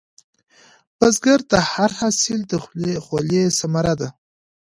بزګر ته هر حاصل د خولې ثمره ده